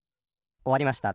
おわりました。